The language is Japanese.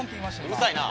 うるさいな。